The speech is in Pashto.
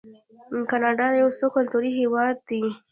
کاناډا یو څو کلتوری هیواد دی.